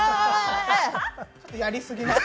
やりすぎました。